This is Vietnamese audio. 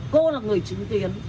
cố là người chính tiến